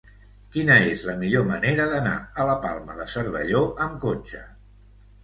Quina és la millor manera d'anar a la Palma de Cervelló amb cotxe?